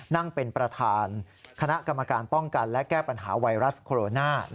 นั่งเป็นประธานคณะกรรมการป้องกันและแก้ปัญหาไวรัสโคโรนา